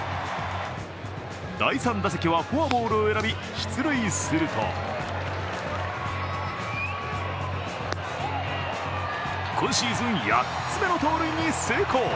第３打席はフォアボールを選び出塁すると今シーズン８つ目の盗塁に成功。